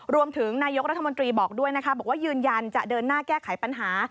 รวมถึงนายกรัฐมนตรีบอกด้วยนะคะบอกว่ายืนยันจะเดินหน้าแก้ไขปัญหา